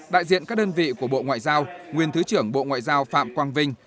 đại diện các đơn vị của bộ ngoại giao nguyên thứ trưởng bộ ngoại giao phạm quang vinh